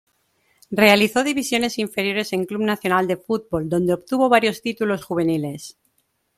Realizó divisiones inferiores en Club Nacional de Football, donde obtuvo varios títulos juveniles.